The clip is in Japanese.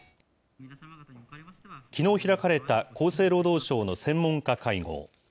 きのう開かれた厚生労働省の専門家会合。